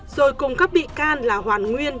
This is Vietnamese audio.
rồi cung cấp bị can là hoàn nguyên